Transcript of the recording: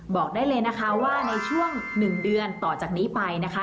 บอกได้เลยนะคะว่าในช่วง๑เดือนต่อจากนี้ไปนะคะ